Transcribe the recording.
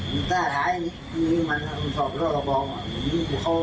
หนิเฮ้จริงมันคืออะไร